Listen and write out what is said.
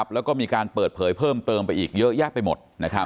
แล้วก็มีการเปิดเผยเพิ่มเติมไปอีกเยอะแยะไปหมด